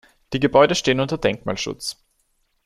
Die Gebäude stehen unter Denkmalschutz.